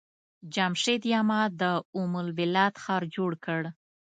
جمشيد يما د ام البلاد ښار جوړ کړ.